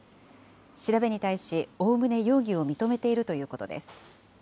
調べに対し、おおむね容疑を認めているということです。